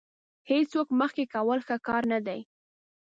هېڅوک مخکې کول ښه کار نه دی.